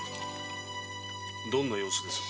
どんな様子です？